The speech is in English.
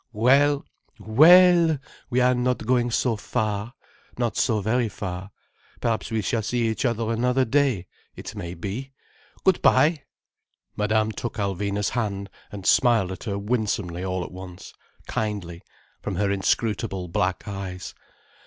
"Well—well! We are not going so very far. Not so very far. Perhaps we shall see each other another day. It may be. Good bye!" Madame took Alvina's hand, and smiled at her winsomely all at once, kindly, from her inscrutable black eyes.